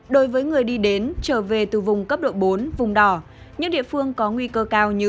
đối với người đi đến trở về từ vùng cấp độ bốn vùng đỏ những địa phương có nguy cơ cao như